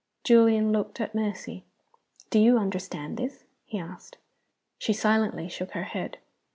Julian looked at Mercy. "Do you understand this?" he asked. She silently shook her head.